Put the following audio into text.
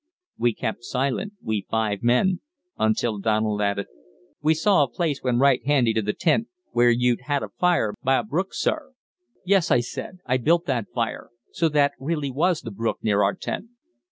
We kept silent, we five men, until Donald added: "We saw a place when right handy to th' tent where you'd had a fire by a brook, sir." "Yes," I said; "I built that fire so that really was the brook near our tent!"